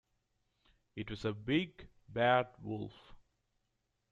It was a big, bad wolf.